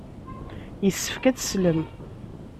Yessefk ad teslem.